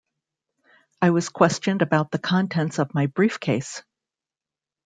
I was questioned about the contents of my briefcase.